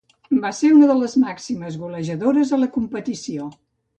Va ser una de les màximes golejadores a la competició.